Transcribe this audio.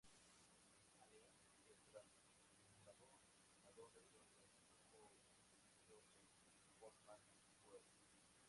Annie se trasladó a Londres donde mantuvo un piso en Portman Square.